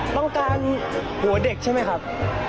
ต้องการหัวเด็กใช่ไหมครับ